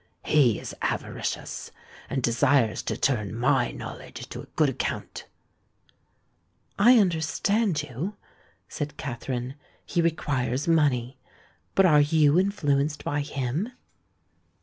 He is avaricious, and desires to turn my knowledge to a good account." "I understand you," said Katherine: "he requires money. But are you influenced by him?"